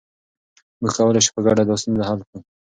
موږ کولای شو په ګډه دا ستونزه حل کړو.